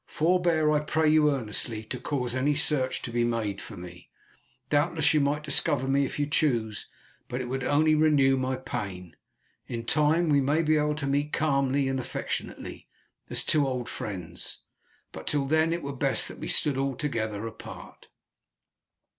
Forbear, I pray you earnestly, to cause any search to be made for me. Doubtless you might discover me if you chose, but it would only renew my pain. In time we may be able to meet calmly and affectionately, as two old friends, but till then it were best that we stood altogether apart."